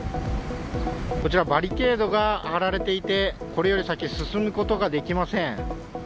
こちら、バリケードが張られていて、これより先に進むことができません。